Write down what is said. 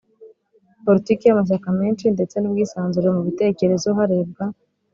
politiki y amashyaka menshi ndetse n ubwisanzure mu bitekerezo harebwa